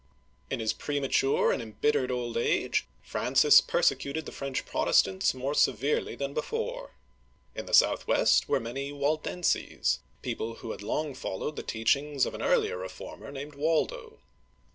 In his premature and embittered old age Francis per secuted the French Protestants more severely than before. In the southwest were many Walden'ses, people who had uigiTizea Dy vjiOOQlC 244 OLD FRANCE long followed the teachings of an earlier reformer named Waldo.